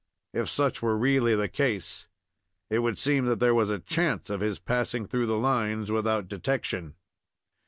If such were really the case, it would seem that there was a chance of his passing through the lines without detection.